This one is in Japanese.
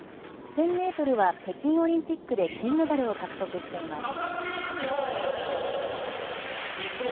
１０００メートルは北京オリンピックで金メダルを獲得しています。